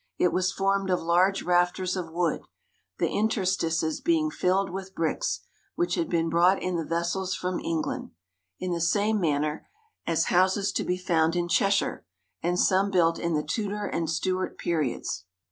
It was formed of large rafters of wood, the interstices being filled with bricks, which had been brought in the vessels from England, in the same manner as houses to be found in Cheshire, and some built in the Tudor and Stuart periods.